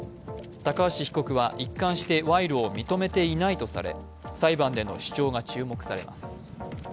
高橋被告は一貫して賄賂を認めていないとされ裁判での主張が注目されます。